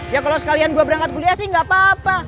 ya kalau sekalian gue berangkat kuliah sih nggak apa apa